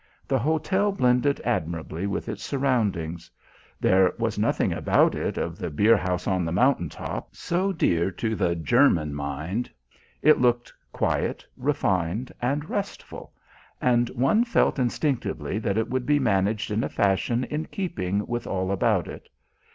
The hotel blended admirably with its surroundings. There was nothing about it of the beerhouse on the mountain top so dear to the German mind. It looked quiet, refined and restful, and one felt instinctively that it would be managed in a fashion in keeping with all about it.